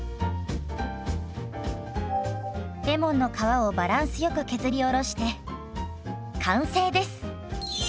レモンの皮をバランスよく削りおろして完成です。